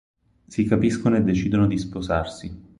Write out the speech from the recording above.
Si capiscono e decidono di sposarsi.